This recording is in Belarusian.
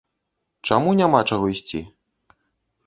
Чаму няма чаго ісці?